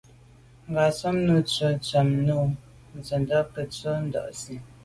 Ngatshob nu Nsi tshùa num nzendà nke’e ntsho Ndà Nsi.